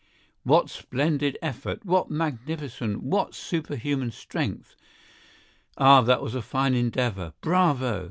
What splendid effort!—what magnificent, what superhuman strength! Ah, that was a fine endeavor! Bravo!